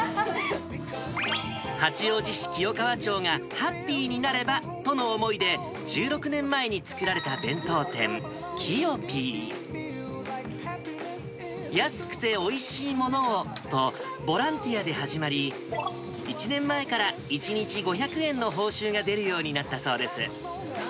八王子市清川町がハッピーになればとの思いで、１６年前に作られた弁当店、きよぴー。安くておいしいものをと、ボランティアで始まり、１年前から１日５００円の報酬が出るようになったそうです。